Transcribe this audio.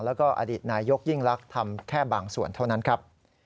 แล้วก็อดีตนายกยิ่งลักษณ์ทำแค่บางส่วนเท่านั้นครับ